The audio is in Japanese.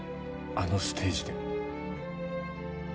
あのステージで。